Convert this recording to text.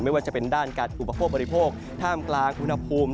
ไม่ว่าจะเป็นด้านการอุปโภคบริโภคท่ามกลางอุณหภูมิ